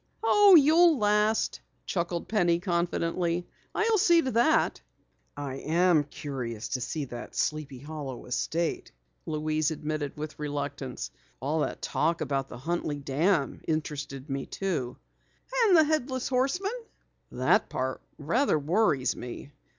"Oh, you'll last," chuckled Penny confidently. "I'll see to that." "I am curious to see Sleepy Hollow estate," Louise admitted with reluctance. "All that talk about the Huntley Dam interested me too." "And the Headless Horseman?" "That part rather worries me.